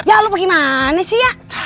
ya lo pergi mana sih ya